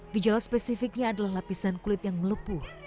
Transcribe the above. gejala spesifiknya adalah lapisan kulit yang melepuh